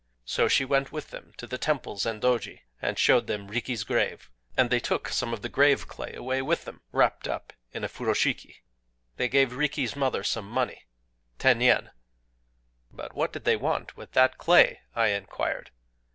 "So she went with them to the temple Zendōji, and showed them Riki's grave; and they took some of the grave clay away with them, wrapped up in a furoshiki].... They gave Riki's mother some money,—ten yen."... (4) "But what did they want with that clay?" I inquired.